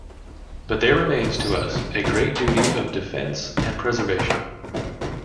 But there remains to us a great duty of defence and preservation.